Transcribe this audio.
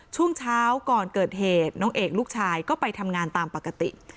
ช่วงเช้าก่อนเกิดเหตุน้องเอกลูกชายก็ไปทำงานตามปกติ